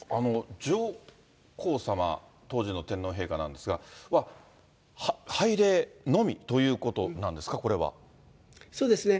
上皇さま、当時の天皇陛下なんですが、拝礼のみということなそうですね。